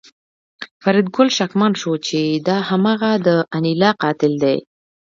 فریدګل شکمن شو چې دا هماغه د انیلا قاتل دی